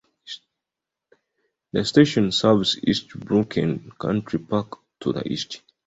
The station serves Eastbrookend Country Park to the east.